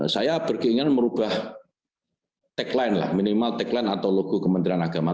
saya berkeinginan merubah tagline lah minimal tagline atau logo kementerian agama